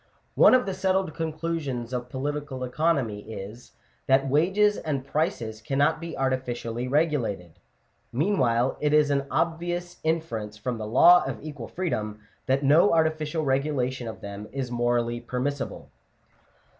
One of the settled conclusions of political economy is, that Digitized by VjOOQIC 460 SUMMARY. wages and prices cannot be artificially regulated : meanwhile it is an obvious inference from the law of equal freedom that no artificial regulation of them is morally permissible.